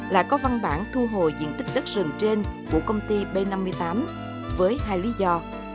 lại có văn bản thu hồi diện tích đất rừng trên của công ty b năm mươi tám với hai lý do